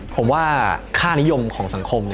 ผมว่าค่านิยมของสังคม